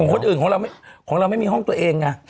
ของคนอื่นของเราไม่มีห้องตัวเอง